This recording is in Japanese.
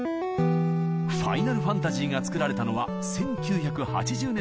「ファイナルファンタジー」が作られたのは１９８０年代。